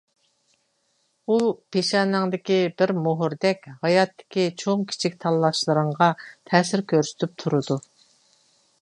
ئۇ پېشانەڭدىكى بىر مۆھۈردەك ھاياتتىكى چوڭ كىچىك تاللاشلىرىڭغا تەسىر كۆرسىتىپ تۇرىدۇ.